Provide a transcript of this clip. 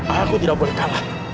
aku tidak boleh kalah